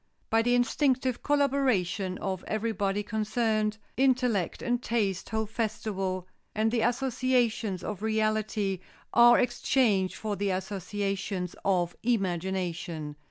By the instinctive collaboration of everybody concerned, intellect and taste hold festival, and the associations of reality are exchanged for the associations of imagination.